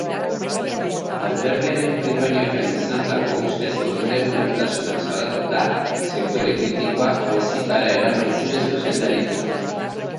Alderdiaren primarioetan izandako ustezko irregulartasunak salatuta, sektore kritikoak auzitara eraman zuen zuzendaritza.